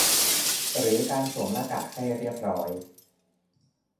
หรือการสวมหน้ากากให้เรียบร้อย